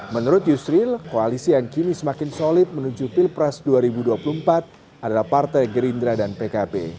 menurut yusril koalisi yang kini semakin solid menuju pilpres dua ribu dua puluh empat adalah partai gerindra dan pkb